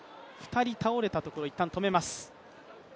２人倒れたところでいったん止めます。